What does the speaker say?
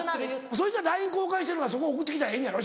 そしたらＬＩＮＥ交換してればそこ送って来たらええんやろ？